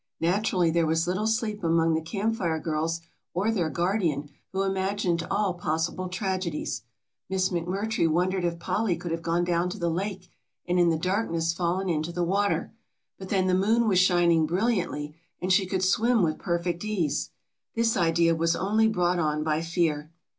Naturally there was little sleep among the Camp Fire girls or their guardian who imagined all possible tragedies. Miss McMurtry wondered if Polly could have gone down to the lake and in the darkness fallen into the water, but then the moon was shining brilliantly and she could swim with perfect ease. This idea was only brought on by fear.